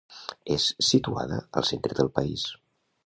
És situada al centre del país.